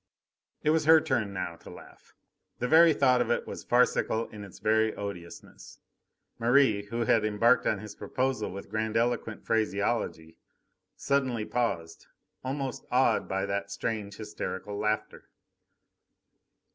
It was her turn now to laugh. The very thought of it was farcical in its very odiousness. Merri, who had embarked on his proposal with grandiloquent phraseology, suddenly paused, almost awed by that strange, hysterical laughter.